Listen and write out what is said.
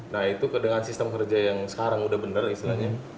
nah itu dengan sistem kerja yang sekarang udah bener istilahnya